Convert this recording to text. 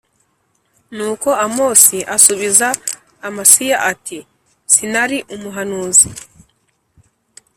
Nuko amosi asubiza amasiya ati sinari umuhanuzi